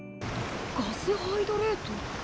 ガスハイドレート？